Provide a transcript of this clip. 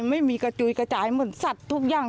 ไม่มีกระจุยกระจายเหมือนสัตว์ทุกอย่าง